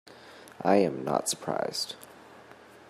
I am not surprised.